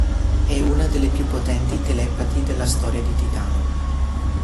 È una delle più potenti telepati della storia di Titano.